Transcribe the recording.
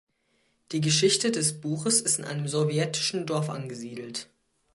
Die Geschichte des Buches ist in einem sowjetischen Dorf angesiedelt.